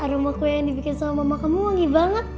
rumah kue yang dibikin sama mama kamu wangi banget